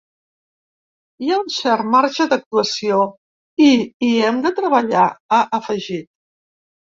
Hi ha un cert marge d’actuació i hi hem de treballar, ha afegit.